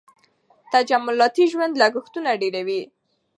تجملاتي ژوند لګښتونه ډېروي.